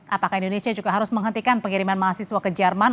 apakah indonesia juga harus menghentikan pengiriman mahasiswa ke jerman